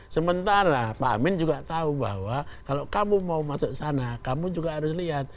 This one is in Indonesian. sementara pak amin juga tahu bahwa kalau kamu mau masuk sana kamu juga harus lihat